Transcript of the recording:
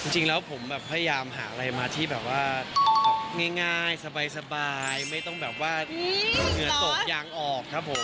จริงแล้วผมแบบพยายามหาอะไรมาที่แบบว่าง่ายสบายไม่ต้องแบบว่าเหงื่อตกยางออกครับผม